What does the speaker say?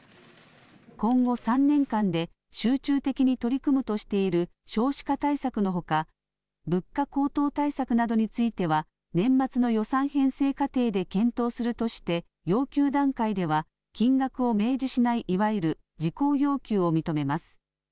今後３年間で集中的に取り組むとしている少子化対策のほか、物価高騰対策などについては、年末の予算編成過程で検討するとして、要求段階では金額を明示しない、いわゆる事項要求を認めます。